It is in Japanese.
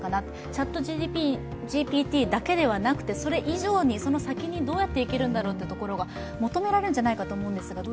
ＣｈａｔＧＰＴだけではなくて、それ以上に、その先にどうやっていけるんだろうというところが求められるんじゃないかと思うんですが。